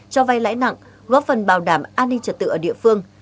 cho vay lãi nặng góp phần bảo đảm an ninh trật tự ở địa phương